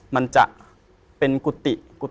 มันจะเป็นกุฏิ